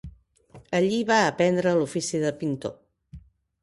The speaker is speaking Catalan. Allí va aprendre l'ofici de pintor.